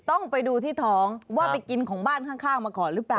ต้องไปดูที่ท้องว่าไปกินของบ้านข้างมาก่อนหรือเปล่า